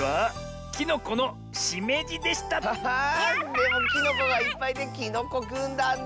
でもきのこがいっぱいできのこぐんだんだ！